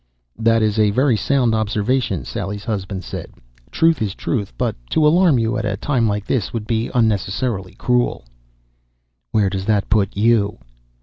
"That is a very sound observation," Sally's husband said. "Truth is truth, but to alarm you at a time like this would be unnecessarily cruel." "Where does that put you?"